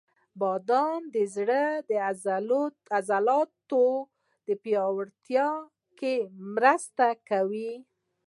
• بادام د زړه د عضلاتو پیاوړتیا کې مرسته کوي.